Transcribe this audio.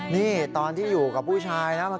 นี่ตอนที่อยู่กับผู้ชายนะ